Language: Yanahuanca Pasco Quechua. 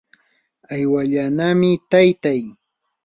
aywallanami taytay.